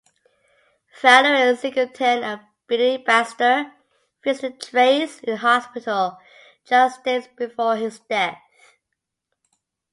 Valerie Singleton and Biddy Baxter visited Trace in hospital just days before his death.